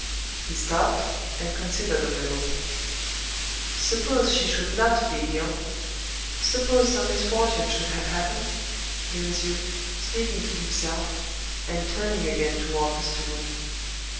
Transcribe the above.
He stopped, and considered a little, "Suppose she should not be ill? Suppose some misfortune should have happened?" he resumed, speaking to himself, and turning again toward the steward.